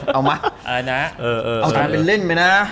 เอาดง